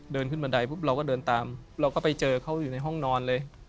เดินขึ้นบันไดปุ๊บเราก็เดินตามเราก็ไปเจอเขาอยู่ในห้องนอนเลย